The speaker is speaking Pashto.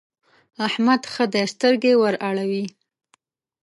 احمد ښه دی؛ سترګې ور اوړي.